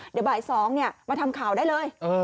เดี๋ยวบ่าย๒มาทำข่าวได้เลย